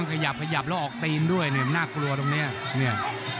มันขยับขยับแล้วออกตีนด้วยเนี่ยมันน่ากลัวตรงเนี่ย